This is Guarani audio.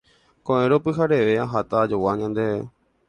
Ko'ẽrõ pyhareve aháta ajogua ñandéve.